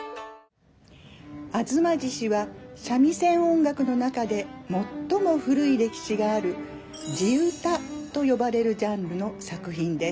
「吾妻獅子」は三味線音楽の中で最も古い歴史がある地唄と呼ばれるジャンルの作品です。